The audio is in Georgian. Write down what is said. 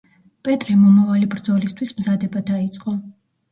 პეტრე მომავალი ბრძოლისთვის მზადება დაიწყო.